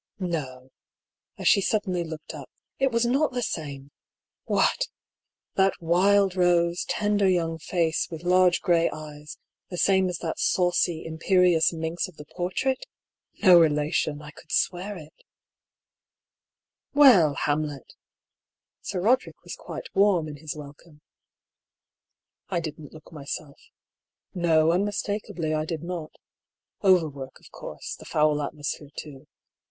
No — as she suddenly looked up — ^it was not the same I What I that wild rose, tender young face, with large grey eyes, the same as that saucy, imperious minx of the portrait ? No relation, I could swear it. 80 DR. PAULL'S THEORY. " Well, Hamlet !" Sir Roderick was quite warm in his welcome. " I didn't look myself. No, unmistakably I did not. Overwork, of course ; the foul atmosphere, too.